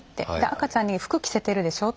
「赤ちゃんに服着せてるでしょ？」